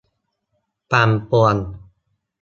ปั่นป่วน